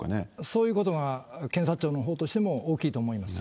そういうことが検察庁のほうとしても大きいと思います。